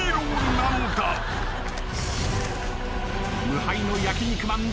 無敗の焼肉マン。